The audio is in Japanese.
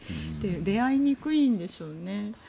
出会いにくいんでしょうね。